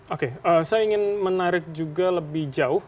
oke saya ingin menarik juga lebih jauh